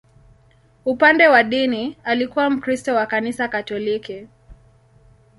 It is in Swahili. Upande wa dini, alikuwa Mkristo wa Kanisa Katoliki.